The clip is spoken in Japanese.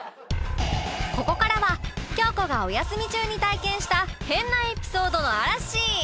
ここからは京子がお休み中に体験した変なエピソードの嵐！